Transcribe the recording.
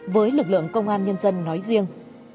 với lực lượng công an nhân dân nói riêng